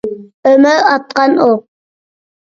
ئۆمۈر ئاتقان ئوق.